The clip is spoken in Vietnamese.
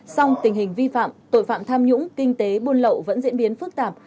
song tình hình vi phạm tội phạm tham nhũng kinh tế buôn lậu vẫn diễn biến phức tạp